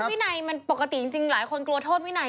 วินัยมันปกติจริงหลายคนกลัวโทษวินัย